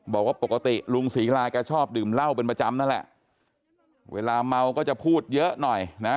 บอกว่าปกติลุงศรีลาแกชอบดื่มเหล้าเป็นประจำนั่นแหละเวลาเมาก็จะพูดเยอะหน่อยนะ